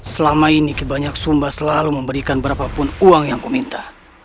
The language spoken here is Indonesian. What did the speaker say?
selama ini ki banyak sumba selalu memberikan berapapun uang yang kuminta